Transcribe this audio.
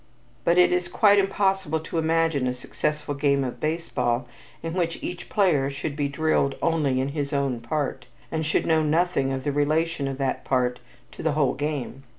But it is quite impossible to imagine a successful game of baseball in which each player should be drilled only in his own part, and should know nothing of the relation of that part to the whole game.